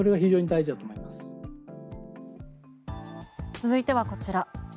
続いてはこちら。